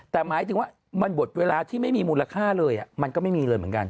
แต่หมายถึงว่ามันบทเวลาที่ไม่มีมูลค่าเลยมันก็ไม่มีเลยเหมือนกัน